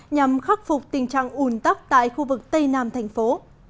nhằm khắc phục tình trạng ủn tắc tại khu vực tây nam thành phố